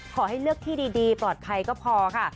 ขอให้เลือกที่ดีปลอดภัยก็พอค่ะ